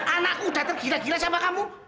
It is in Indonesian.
anakku udah tergila gila sama kamu